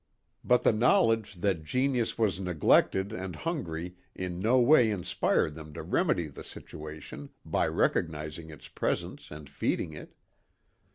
But the knowledge that genius was neglected and hungry in no way inspired them to remedy the situation by recognizing its presence and feeding it.